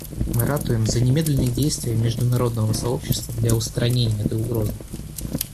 Мы ратуем за немедленные действия международного сообщества для устранения этой угрозы.